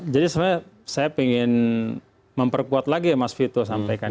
jadi sebenarnya saya ingin memperkuat lagi yang mas vito sampaikan